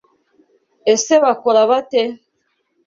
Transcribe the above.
Ese Bakora bate?